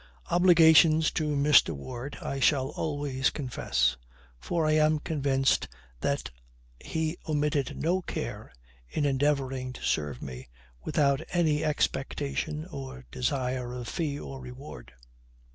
Obligations to Mr. Ward I shall always confess; for I am convinced that he omitted no care in endeavoring to serve me, without any expectation or desire of fee or reward.